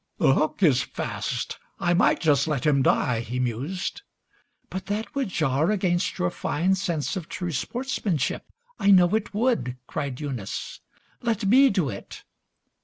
"The hook is fast, I might just let him die," He mused. "But that would jar against your fine Sense of true sportsmanship, I know it would," Cried Eunice. "Let me do it."